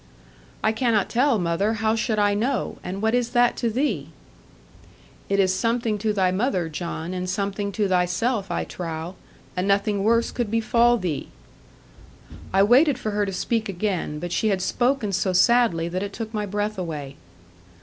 'I cannot tell, mother. How should I know? And what is that to thee?' 'It is something to thy mother, John, and something to thyself, I trow; and nothing worse could befall thee.' I waited for her to speak again, because she had spoken so sadly that it took my breath away.